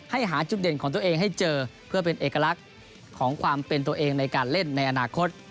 หาจุดเด่นของตัวเองให้เจอเพื่อเป็นเอกลักษณ์ของความเป็นตัวเองในการเล่นในอนาคต